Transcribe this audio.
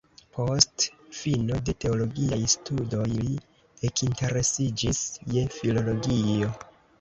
Post fino de teologiaj studoj li ekinteresiĝis je filologio.